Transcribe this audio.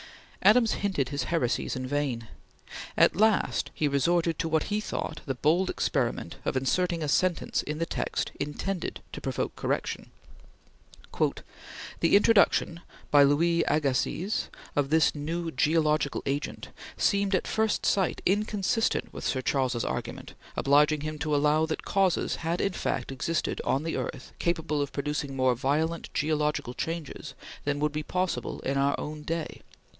Adams hinted his heresies in vain. At last he resorted to what he thought the bold experiment of inserting a sentence in the text, intended to provoke correction. "The introduction [by Louis Agassiz] of this new geological agent seemed at first sight inconsistent with Sir Charles's argument, obliging him to allow that causes had in fact existed on the earth capable of producing more violent geological changes than would be possible in our own day."